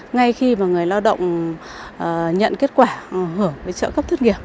ngay khi mà người lao động nhận kết quả hở với trợ cấp thất nghiệp